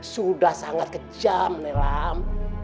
sudah sangat kejam nih lam